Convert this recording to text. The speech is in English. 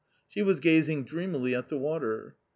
She was gazing dreamily at the water.